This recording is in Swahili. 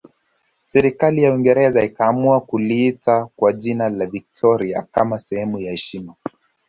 Serikali ya Uingereza ikaamua kuliita kwa jina la Victoria kama sehemu ya heshima